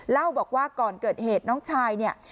เล่าบอกว่าก่อนเกิดเหตุน้องชายเนี่ย